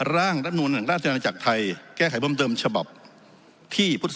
ร่างรัฐมนุล